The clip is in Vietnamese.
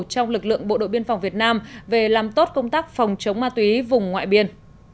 trong lực lượng bộ đội biên phòng việt nam về làm tốt công tác phòng chống ma túy vùng ngoại biên